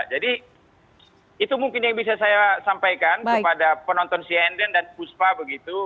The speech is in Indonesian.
jadi itu mungkin yang bisa saya sampaikan kepada penonton cnn dan fuspa begitu